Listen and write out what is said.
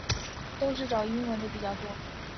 都是找英文的比较多